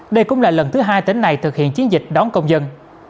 đây cũng là lần thứ hai tỉnh này thực hiện chiến dịch đón công dân